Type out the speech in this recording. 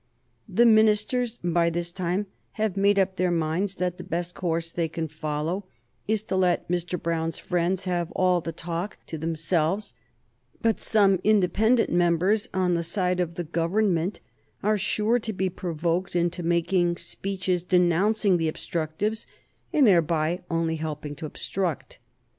The ministers, by this time, have made up their minds that the best course they can follow is to let Mr. Brown's friends have all the talk to themselves, but some independent members on the side of the Government are sure to be provoked into making speeches denouncing the obstructives and thereby only helping to obstruct.